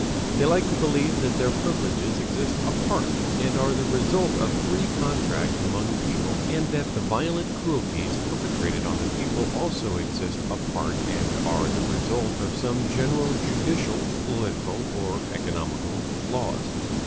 They like to believe that their privileges exist apart and are the result of free contract among people; and that the violent cruelties perpetrated on the people also exist apart and are the result of some general judicial, political, or economical laws.